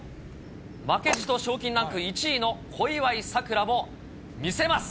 負けじと賞金ランク１位の小祝さくらも、見せます。